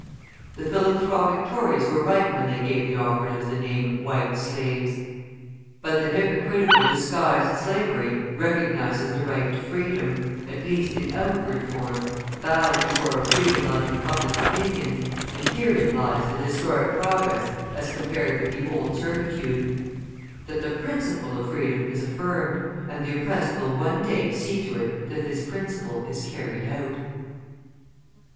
The philanthropic Tories were right when they gave the operatives the name white slaves. But the hypocritical disguised slavery recognises the right to freedom, at least in outward form; bows before a freedom loving public opinion, and herein lies the historic progress as compared with the old servitude, that the principle of freedom is affirmed, and the oppressed will one day see to it that this principle is carried out.